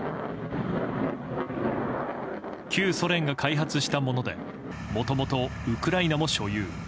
旧ソ連が開発したものでもともとウクライナも所有。